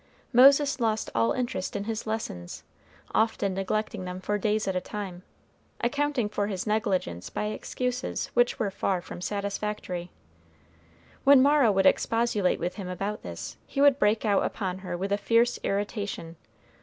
Moses lost all interest in his lessons, often neglecting them for days at a time accounting for his negligence by excuses which were far from satisfactory. When Mara would expostulate with him about this, he would break out upon her with a fierce irritation.